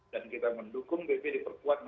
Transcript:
dan kita mendukung bpp diperkuat